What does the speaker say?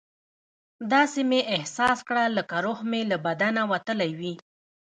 داسې مې احساس کړه لکه روح مې له بدنه وتلی وي.